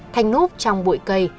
thanh núp trong bụi cây